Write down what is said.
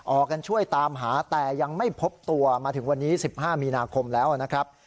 ออกกันช่วยตามหาแต่ยังไม่พบตัวมาถึงวันนี้๑๕มีนาคมแล้วนะครับ